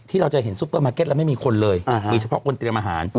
เราจะเห็นซุปเปอร์มาร์เก็ตแล้วไม่มีคนเลยมีเฉพาะคนเตรียมอาหาร